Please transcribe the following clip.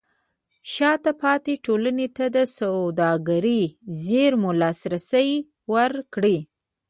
شاته پاتې ټولنې ته د سوداګرۍ زېرمو لاسرسی ورکړئ.